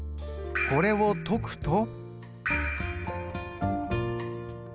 これを解くと。